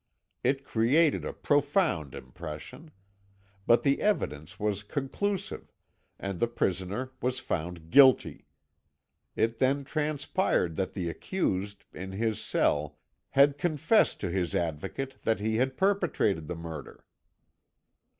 It created a profound impression. But the evidence was conclusive, and the prisoner was found guilty. It then transpired that the accused, in his cell, had confessed to his advocate that he had perpetrated the murder."